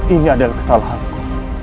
ini adalah kesalahanku